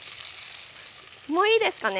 もういいですかね？